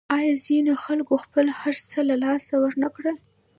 آیا ځینو خلکو خپل هرڅه له لاسه ورنکړل؟